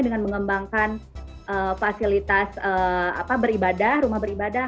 kita akan mengembangkan fasilitas beribadah rumah beribadah